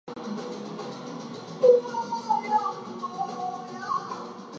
They were planned and organized by the Sub-Committee for Nautical Sports.